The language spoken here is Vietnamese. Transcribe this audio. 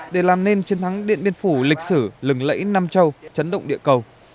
để làm nên chiến thắng điện biên phủ lịch sử lừng lẫy nam châu chấn động địa cầu